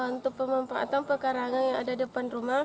untuk pemenang atau pekarangan yang ada di depan rumah